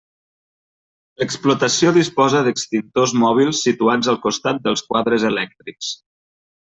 L'explotació disposa d'extintors mòbils situats al costat dels quadres elèctrics.